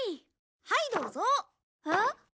はいどうぞ。えっ？